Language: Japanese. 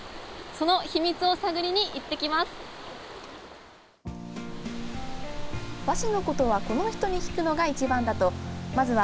その秘密を探りに行ってきます。